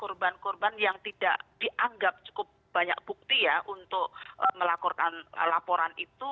korban korban yang tidak dianggap cukup banyak bukti ya untuk melaporkan laporan itu